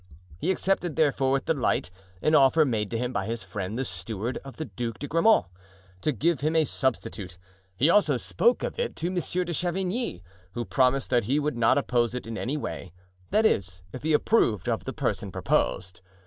He accepted, therefore, with delight, an offer made to him by his friend the steward of the Duc de Grammont, to give him a substitute; he also spoke of it to Monsieur de Chavigny, who promised that he would not oppose it in any way—that is, if he approved of the person proposed.